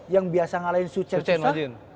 yang biasa ngalahin su chen susah